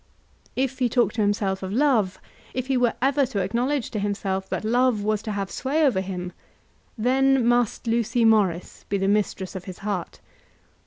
If he talked to himself of love, if he were ever to acknowledge to himself that love was to have sway over him, then must Lucy Morris be the mistress of his heart.